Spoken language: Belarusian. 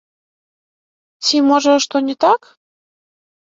Ці, можа, што не так?